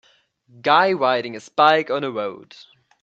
Guy riding his bike on a road.